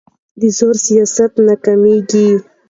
د زور سیاست ناکامېږي